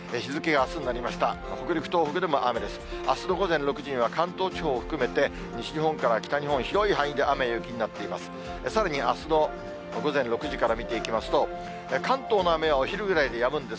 あすの午前６時には関東地方を含めて、西日本から北日本、広い範囲で雨や雪になっています。